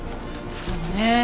そうね。